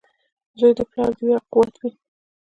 • زوی د پلار د ویاړ قوت وي.